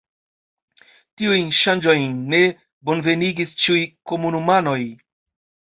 Tiujn ŝanĝojn ne bonvenigis ĉiuj komunumanoj.